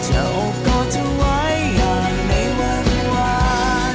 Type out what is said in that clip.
จะอกกอดเธอไว้อย่างในวันวาน